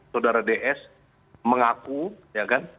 saudara ds mengaku ya kan